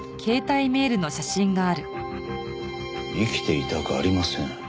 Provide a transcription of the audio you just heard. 「生きていたくありません」